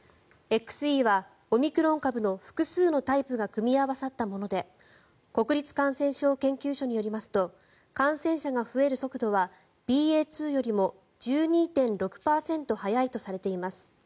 ＸＥはオミクロン株の複数のタイプが組み合わさったもので国立感染症研究所によりますと感染者が増える速度はＢＡ．２よりも１２．６％速いとされています。